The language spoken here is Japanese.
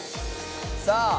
さあ。